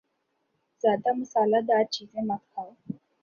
زیادہ مصالہ دار چیزیں مت کھاؤ